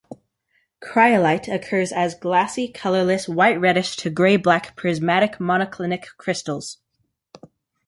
Cryolite occurs as glassy, colorless, white-reddish to gray-black prismatic monoclinic crystals.